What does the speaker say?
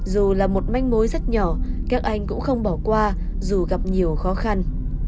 dù là một manh mối rất nhỏ các anh cũng không bỏ qua dù gặp nhiều khó khăn